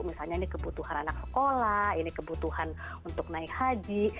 misalnya ini kebutuhan anak sekolah ini kebutuhan untuk naik haji